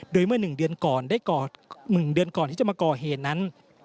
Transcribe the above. โดยเมื่อ๑เดือนก่อนที่จะมาก่อเหตุนั้น